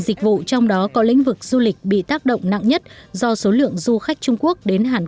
dịch vụ trong đó có lĩnh vực du lịch bị tác động nặng nhất do số lượng du khách trung quốc đến hàn